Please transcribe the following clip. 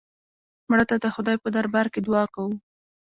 مړه ته د خدای په دربار کې دعا کوو